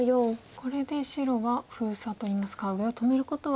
これで白は封鎖といいますか上を止めることは。